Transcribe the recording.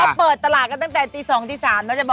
เขาเปิดตลาดกันตั้งแต่ตี๒๓แล้วจะบอกให้